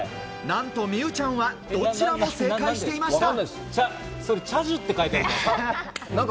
なんと美羽ちゃんは、どちらも正解していました。